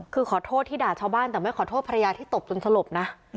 คือขอโทษที่ด่าชาวบ้านแต่ไม่ขอโทษภรรยาที่ตบจนสลบนะ